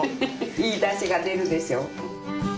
いいだしが出るでしょ。